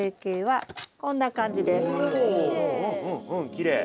きれい！